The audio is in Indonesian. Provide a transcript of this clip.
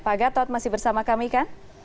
pak gatot masih bersama kami kan